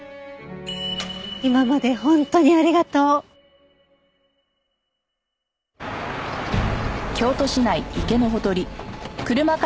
今まで本当にありがとう。